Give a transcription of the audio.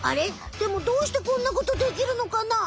でもどうしてこんなことできるのかな？